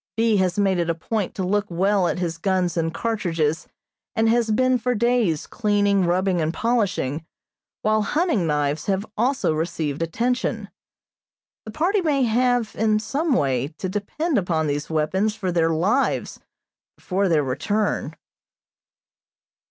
B. has made it a point to look well at his guns and cartridges, and has been for days cleaning, rubbing and polishing, while hunting knives have also received attention. The party may have, in some way, to depend upon these weapons for their lives before their return.